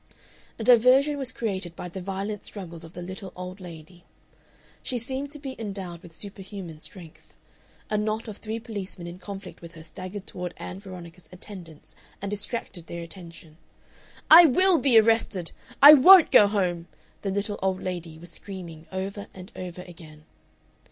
A diversion was created by the violent struggles of the little old lady. She seemed to be endowed with superhuman strength. A knot of three policemen in conflict with her staggered toward Ann Veronica's attendants and distracted their attention. "I WILL be arrested! I WON'T go home!" the little old lady was screaming over and over again.